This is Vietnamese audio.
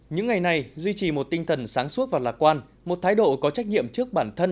những ngày này duy trì một tinh thần sáng suốt và lạc quan một thái độ có trách nhiệm trước bản thân